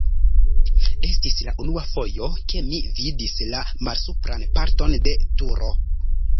Estis la unua fojo, ke mi vidis la malsupran parton de turo.